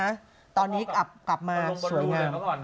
ก็เขาตอนนี้กลับมาสวยมาก